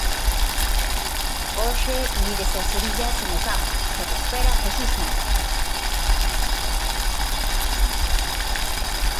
Hoxe mídese a Sevilla sen Ocampos, que recupera a Jesús Navas.